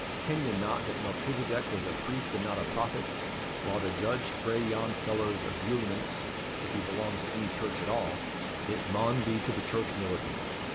"Ken ye not that Melchisedec was a priest and not a prophet; while to judge frae yon fellow's abulyiements, if he belongs to any church at all, it maun be to the church militant.